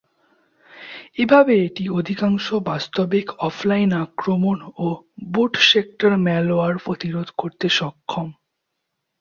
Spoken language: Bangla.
এভাবে এটি অধিকাংশ বাস্তবিক অফলাইন আক্রমণ ও বুট সেক্টর ম্যালওয়্যার প্রতিরোধ করতে সক্ষম।